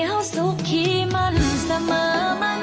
เฮ้ยยังรอ